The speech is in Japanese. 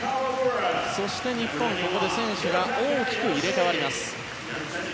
そして、日本ここで選手が大きく入れ替わります。